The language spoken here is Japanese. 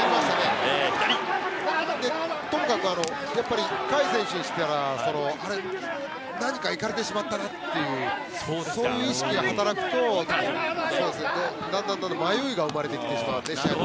ともかく、海選手としては何か行かれてしまったらというそういう意識が働くと、だんだん迷いが生まれてきてしまうので。